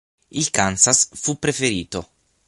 Il Kansas fu preferito.